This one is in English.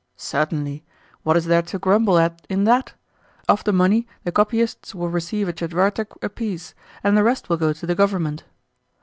"Certainly. What is there to grumble at in that? Of the money the copyists will receive a tchetvertak apiece, and the rest will go to the Government."